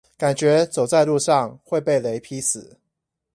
感覺走在路上會被雷劈死